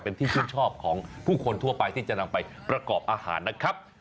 เป็นที่ชื่นชอบของผู้คนทั่วไปที่จะนำไปประกอบอาหารนะครับ